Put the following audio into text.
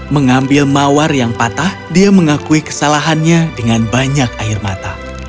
mengambil mawar yang patah dia mengakui kesalahannya dengan banyak air mata